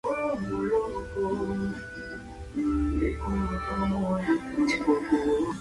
Su muerte nunca fue investigada.